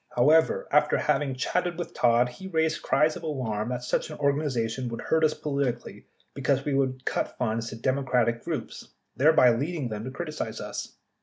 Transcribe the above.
However, after having chatted with Todd, he raised cries of alarm that such an organization would hurt us politically be cause we would cut funds to Democratic groups, thereby leading them to criticize us.